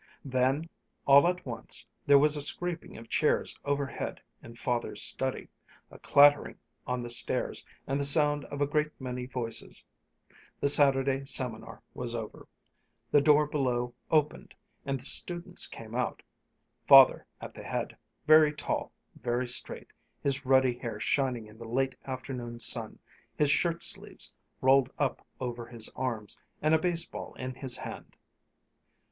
Then, all at once, there was a scraping of chairs overhead in Father's study, a clattering on the stairs, and the sound of a great many voices. The Saturday seminar was over. The door below opened, and the students came out, Father at the head, very tall, very straight, his ruddy hair shining in the late afternoon sun, his shirt sleeves rolled up over his arms, and a baseball in his hand.